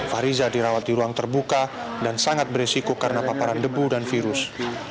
fahriza dirawat di ruang terbuka dan sangat beresiko karena paparan debu dan virus